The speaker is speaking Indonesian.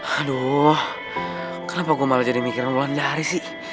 aduh kenapa gue malah jadi mikiran mulan dari sih